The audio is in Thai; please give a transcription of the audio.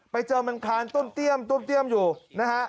ไปเจอมันผ่านต้นเตี้ยมอยู่นะฮะ